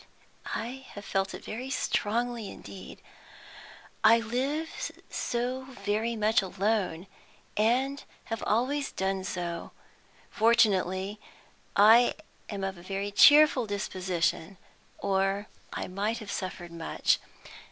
"I have felt it very strongly indeed. I live so very much alone, and have always done so. Fortunately I am of a very cheerful disposition, or I might have suffered much.